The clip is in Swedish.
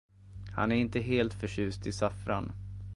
Han är inte helt förtjust i saffran.